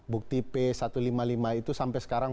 bukti p satu ratus lima puluh lima itu sampai sekarang